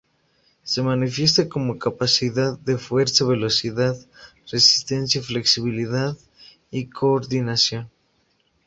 Se manifiesta como capacidad de fuerza, velocidad, resistencia, flexibilidad y coordinación.